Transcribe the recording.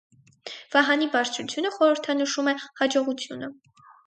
Վահանի բարձրությունը խորհրդանշում է հաջողությունը։